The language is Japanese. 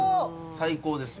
最高ですよ。